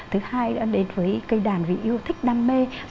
thứ hai là đến với cây đàn vì yêu thích đam mê